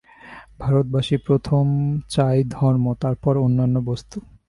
ভারতবাসী প্রথম চায় ধর্ম, তারপর অন্যান্য বস্তু।